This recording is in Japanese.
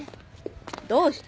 どうして？